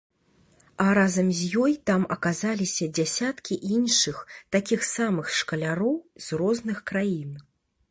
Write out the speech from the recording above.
А разам з ёй там аказаліся дзясяткі іншых такіх самых шкаляроў з розных краін.